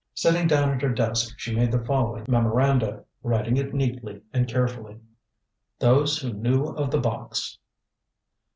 Sitting down at her desk she made the following memoranda, writing it neatly and carefully: "THOSE WHO KNEW OF THE BOX.